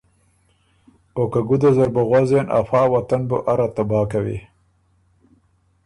او که ګُده زر بُو غؤزېن ا فا وطن بُو اره تباه کوی۔